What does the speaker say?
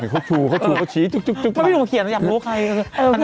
เขาชูเขาชูเขาชี้จุกจุกจุกไม่รู้มาเขียนแล้วอยากรู้ว่าใคร